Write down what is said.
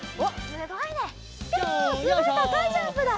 すごいたかいジャンプだ！